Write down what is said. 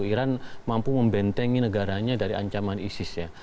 iran mampu membentengi negaranya dari ancaman isis ya